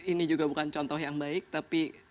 ini juga bukan contoh yang baik tapi